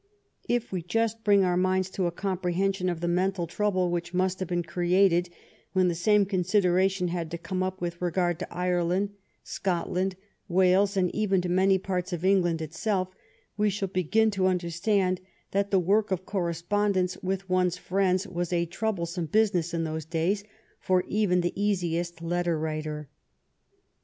If we just bring our minds to a comprehension of the mental trouble which must have been created when the same consideration had to come up with regard to Ireland, Scotland, Wales, and even to many parts of England itself, we shall begin to understand that the work of correspondence with one's friends was a troublesome business in those days for even the easiest letter writer.